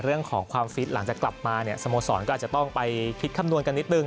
เรื่องของความฟิตหลังจากกลับมาเนี่ยสโมสรก็อาจจะต้องไปคิดคำนวณกันนิดนึง